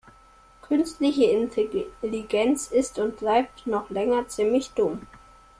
Künstliche Intelligenz ist und bleibt noch länger ziemlich dumm.